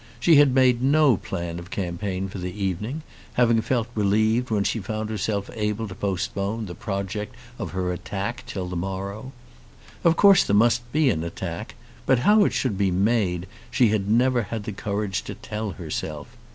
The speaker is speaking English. She had made no plan of campaign for the evening, having felt relieved when she found herself able to postpone the project of her attack till the morrow. Of course there must be an attack, but how it should be made she had never had the courage to tell herself.